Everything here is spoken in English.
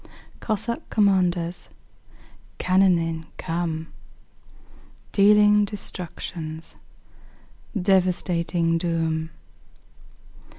Cossack commanders cannonading come, Dealing destruction's devastating doom.